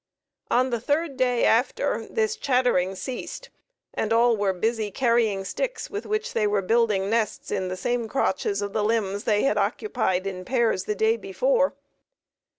On the third day after, this chattering ceased and all were busy carrying sticks with which they were building nests in the same crotches of the limbs they had occupied in pairs the day before.